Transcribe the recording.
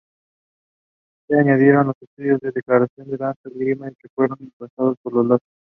Se añadieron los estudios de declamación, danza y esgrima, que fueron impartidas por laicos.